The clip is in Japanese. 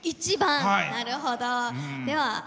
１番なるほど。